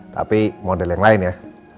tapi model yang lain ya